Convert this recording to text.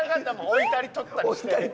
置いたり取ったり。